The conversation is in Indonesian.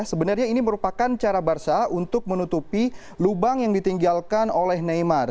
sebenarnya ini merupakan cara barca untuk menutupi lubang yang ditinggalkan oleh neymar